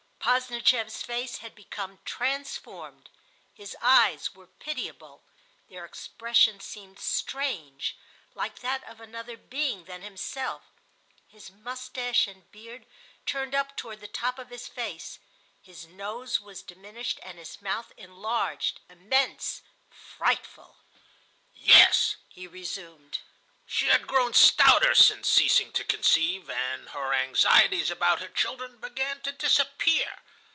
Posdnicheff's face had become transformed; his eyes were pitiable; their expression seemed strange, like that of another being than himself; his moustache and beard turned up toward the top of his face; his nose was diminished, and his mouth enlarged, immense, frightful. "Yes," he resumed "she had grown stouter since ceasing to conceive, and her anxieties about her children began to disappear.